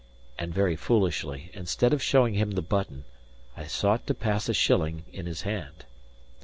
And very foolishly, instead of showing him the button, I sought to pass a shilling in his hand.